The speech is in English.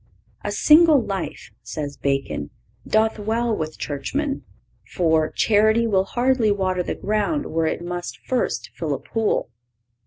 "A single life," says Bacon, "doth well with churchmen; for, charity will hardly water the ground where it must first fill a pool."